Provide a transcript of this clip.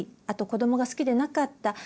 あと子どもが好きでなかった。